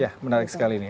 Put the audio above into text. ya menarik sekali ini